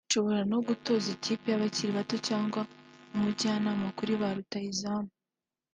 Nshobora no gutoza ikipe y’abakiri bato cyangwa umujyanama kuri ba rutahizamu